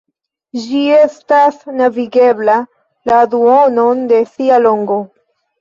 Ĝi estas navigebla la duonon de sia longo.